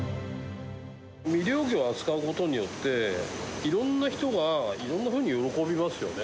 未利用魚を扱うことによって、いろんな人がいろんなふうに喜びますよね。